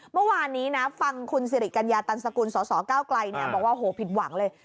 เมื่อวานนี้นะฟังคุณสิริกัญญาตันสกุลสสเก้าไกลบอกว่าโหผิดหวังเลย